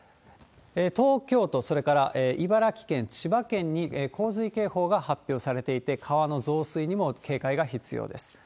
東京都、それから茨城県、千葉県に洪水警報が発表されていて、川の増水にも警戒が必要です。